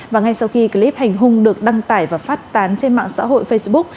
và ngay sau khi clip hành hung được đăng tải và phát tán trên mạng xã hội facebook